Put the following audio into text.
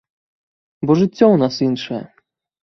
Бо жыццё ў нас іншае.